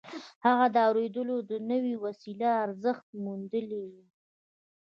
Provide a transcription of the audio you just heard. هغه د اورېدلو د نوې وسيلې ارزښت موندلی و.